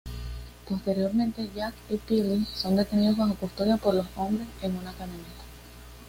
Posteriormente, Jack y Phillip son detenidos bajo custodia por los hombres en una camioneta.